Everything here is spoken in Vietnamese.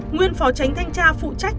nguyên phó tránh thanh tra phụ trách